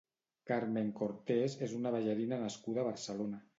Carmen Cortés és una ballarina nascuda a Barcelona.